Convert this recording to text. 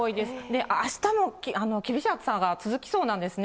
あしたも厳しい暑さが続きそうなんですね。